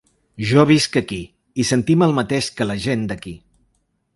Jo visc aquí i sentim el mateix que la gent d’aquí.